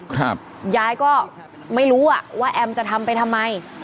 ยายก็ไม่รู้อ่ะว่าแอมจะทำไปทำไม